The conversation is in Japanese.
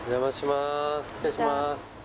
失礼します